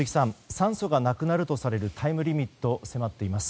酸素がなくなるとされるタイムリミットが迫っています。